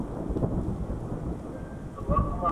د سلیم فطرت لرونکي خلګ حقیقت نه پټوي.